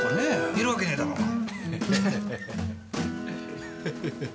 いるわけねえだろうお前！